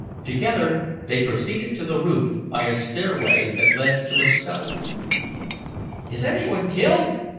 Together they proceeded to the roof by a stairway that led to a scuttle. "Is anyone killed?"